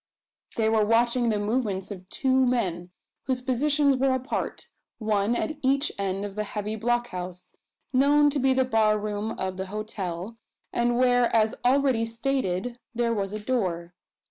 They were watching the movements of two men, whose positions were apart one at each end of the heavy blockhouse, known to be the bar room of the hotel; and where, as already stated, there was a door.